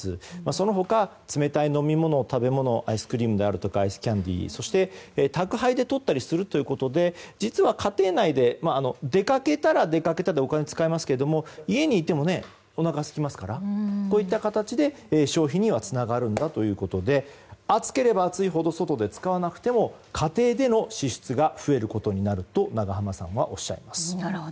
その他、冷たい飲み物、食べ物アイスクリームやアイスキャンディーを宅配でとったりするということで実は家庭内で出かけたら出かけたでお金を使いますが家にいてもおなかがすきますからこういった形で消費にはつながるということで暑ければ暑いほど外で使わなくても家庭での支出が増えることになると永濱さんはおっしゃいます。